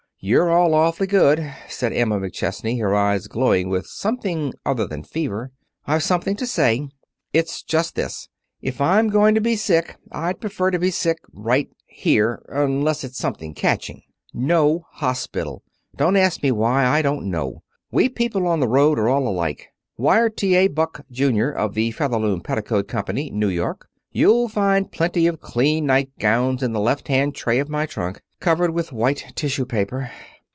"You're all awfully good," said Emma McChesney, her eyes glowing with something other than fever. "I've something to say. It's just this. If I'm going to be sick I'd prefer to be sick right here, unless it's something catching. No hospital. Don't ask me why. I don't know. We people on the road are all alike. Wire T. A. Buck, Junior, of the Featherloom Petticoat Company, New York. You'll find plenty of clean nightgowns in the left hand tray of my trunk, covered with white tissue paper.